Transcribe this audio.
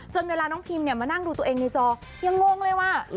เวลาน้องพิมมานั่งดูตัวเองในจอยังงงเลยว่า